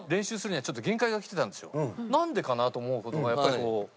なんでかなと思う事がやっぱりこう。